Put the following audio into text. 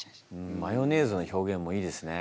マヨネーズの表現もいいですね。